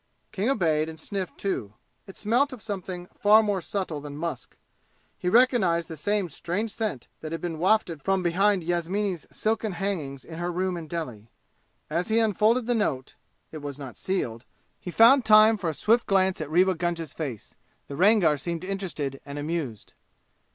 King obeyed and sniffed too. It smelt of something far more subtle than musk. He recognized the same strange scent that had been wafted from behind Yasmini's silken hangings in her room in Delhi. As he unfolded the note it was not sealed he found time for a swift glance at Rewa Gunga's face. The Rangar seemed interested and amused.